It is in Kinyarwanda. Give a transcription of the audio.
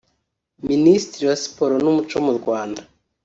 Minisitiri wa Siporo n’Umuco mu Rwanda